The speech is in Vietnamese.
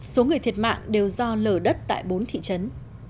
số người thiệt mạng đều do lở đất tại bốn thị trấn